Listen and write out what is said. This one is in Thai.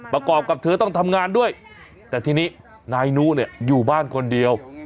ประกอบกับเธอต้องทำงานด้วยแต่ทีนี้นายนุเนี่ยอยู่บ้านคนเดียว